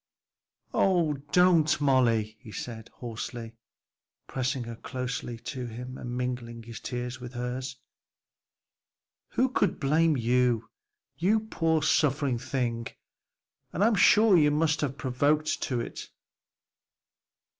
"Oh, don't, Molly!" he said hoarsely, pressing her closer to him and mingling his tears with hers, "who could blame you, you poor suffering thing! and I'm sure you must have been provoked to it.